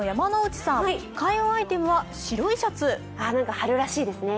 春らしいですね。